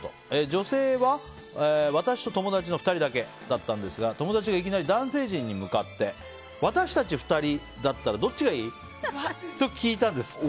女性は私と友達の２人だけだったんですが友達がいきなり男性陣に向かって私たち２人だったらどっちがいい？と聞いたんです。